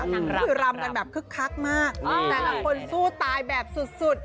คือรำกันแบบคึกคักมากแต่ละคนสู้ตายแบบสุด